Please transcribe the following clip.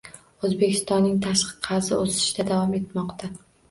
O'zbekistonning tashqi qarzi o'sishda davom etmoqda